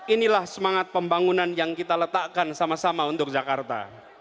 inilah semangat pembangunan yang kita letakkan sama sama untuk jakarta